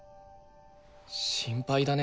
心配だね。